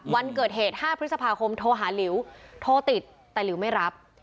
วันเกิดเหตุ๕พฤษภาคมโทรหาหลิวโทรติดแต่หลิวไม่รับ